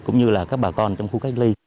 cũng như các bà con trong khu cách ly